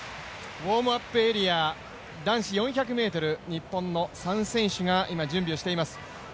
ウォームアップエリア、男子４００ｍハードル、日本の３選手が今、準備をしています。